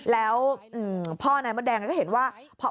แล้วพ่อนายมดแดงก็เห็นว่า